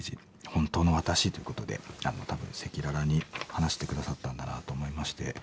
本当の私ということで多分赤裸々に話して下さったんだなと思いまして。